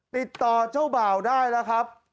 ติดต่อเจ้าบ่าวได้แล้วครับ